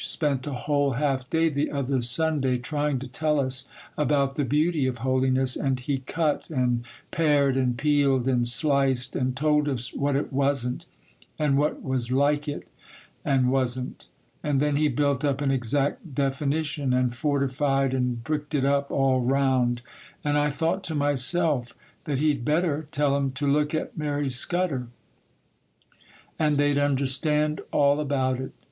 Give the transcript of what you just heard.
spent a whole half day, the other Sunday, trying to tell us about the beauty of holiness; and he cut, and pared, and peeled, and sliced, and told us what it wasn't, and what was like it, and wasn't; and then he built up an exact definition, and fortified and bricked it up all round; and I thought to myself that he'd better tell 'em to look at Mary Scudder, and they'd understand all about it.